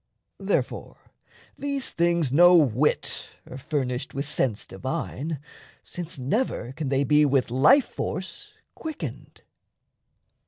Therefore these things no whit are furnished With sense divine, since never can they be With life force quickened.